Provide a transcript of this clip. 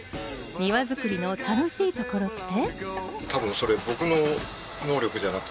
庭づくりの楽しいところって？